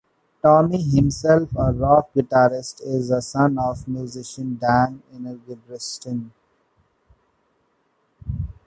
Tommy, himself a rock guitarist, is the son of musician Dag Ingebrigtsen.